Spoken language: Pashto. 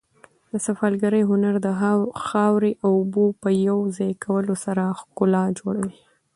د سفالګرۍ هنر د خاورې او اوبو په یو ځای کولو سره ښکلا جوړوي.